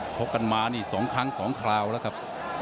กกันมานี่๒ครั้ง๒คราวแล้วครับ